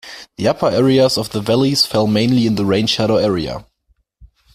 The upper areas of the valleys fall mainly in the rain-shadow area.